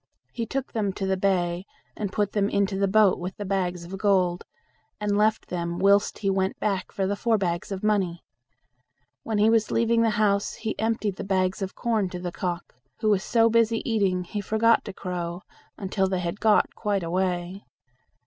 He took them to the bay, and put them into the boat with the bags of gold, and left them whilst he went back for the four bags of money. When he was leaving the house he emptied the bags of corn to the cock, who was so busy eating, he forget to crow, until they had got quite away.